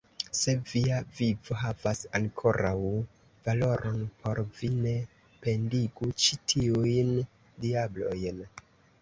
Se via vivo havas ankoraŭ valoron por vi, ne pendigu ĉi tiujn diablojn!